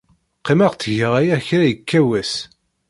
Qqimeɣ ttgeɣ aya kra yekka wass.